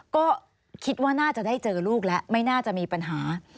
ก็คิดว่าน่าจะได้เจอลูกแล้วไม่น่าจะมีปัญหา